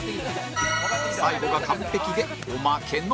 最後が完璧でおまけの○